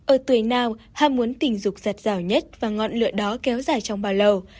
ở tuổi nào hàm muốn tình dục sạch rào nhất và ngọn lưỡi đó kéo dài trong bao lâu